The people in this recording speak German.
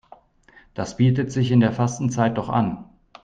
Das bietet sich in der Fastenzeit doch an.